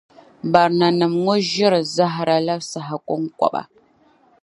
Barinanim ŋɔ yiri zahara la saha kɔŋkɔba.